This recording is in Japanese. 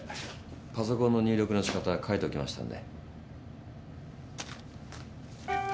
パソコンの入力のしかた書いておきましたんで。